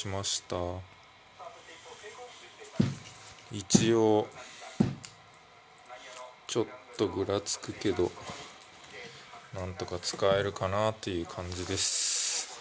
一応ちょっとぐらつくけどなんとか使えるかなっていう感じです。